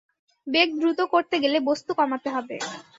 বেগ দ্রুত করতে গেলে বস্তু কমাতে হবে।